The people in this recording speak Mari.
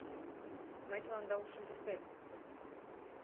Мый тыланда ушым пуртем!